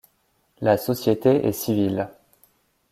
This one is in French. La Société est civile.